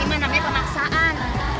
ini mah namanya pemaksaan